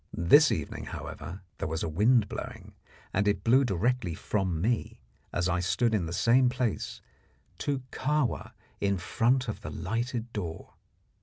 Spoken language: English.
This evening, however, there was a wind blowing, and it blew directly from me, as I stood in the same place, to Kahwa in front of the lighted door.